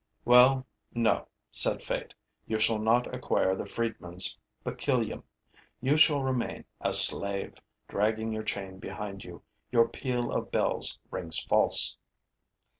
'Well, no,' said Fate, 'you shall not acquire the freedman's peculium; you shall remain a slave, dragging your chain behind you; your peal of bells rings false!'